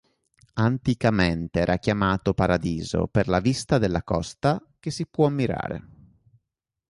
Anticamente era chiamato "Paradiso" per la vista della costa che si può ammirare.